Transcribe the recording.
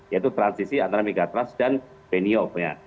yaitu transisi antara megatras dan banyo ya